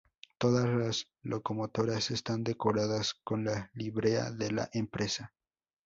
Todas las locomotoras están decoradas con la librea de la empresa.